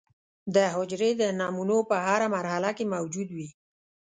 د حجرې د نمو په هره مرحله کې موجود وي.